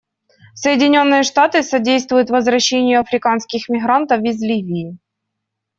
Соединенные Штаты содействуют возвращению африканских мигрантов из Ливии.